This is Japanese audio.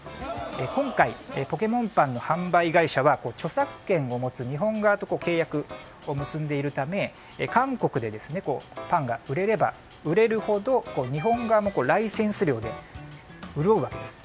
今回、ポケモンパンの販売会社は著作権を持つ日本側と契約を結んでいるため韓国でパンが売れれば売れるほど日本側もライセンス料で潤うわけです。